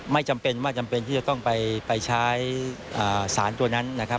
ไม่จำเป็นว่าจำเป็นที่จะต้องไปใช้สารตัวนั้นนะครับ